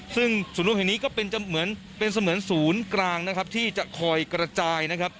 ซึ่งศูนย์รวมแห่งนี้ก็เป็นเสมือนศูนย์กลางที่จะคอยกระจาย